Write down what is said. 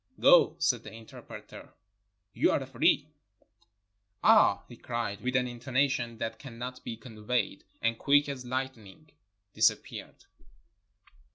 "Go," said the interpreter, "you are free." "Ah!" he cried with an intonation that cannot be conveyed, and quick as lightning, disappeared.